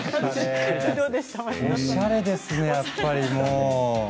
おしゃれですねやっぱり、もう。